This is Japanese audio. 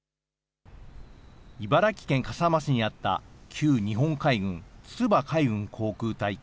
茨城県笠間市にあった、旧日本海軍筑波海軍航空隊。